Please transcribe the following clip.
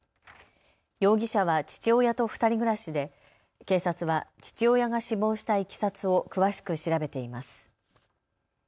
容疑者は父親と２人暮らしで警察は父親が死亡したいきさつを詳しく調べています。